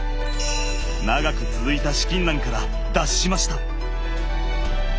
長く続いた資金難から脱しました。